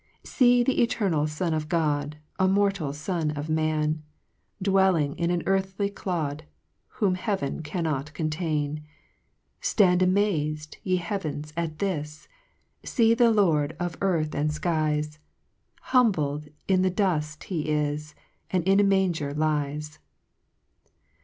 3 See the eternal Son of God, A mortal fon of man, Dwelling in an earthly clod, Whom heaven cannot contain ! Stand amaz'd, ye heavens, at this ! Sec the Lord of earth and Ikies ! Humbled to the dufl, he is, And in a manger lies